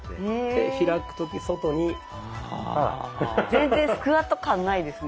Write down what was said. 全然スクワット感ないですね。